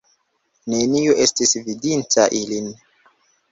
Neniu estis vidinta ilin.